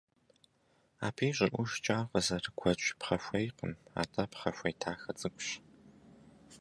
Абы и щӀыӀужкӀэ ар къызэрыгуэкӀ пхъэхуейкъым, атӀэ пхъэхуей дахэ цӀыкӀущ.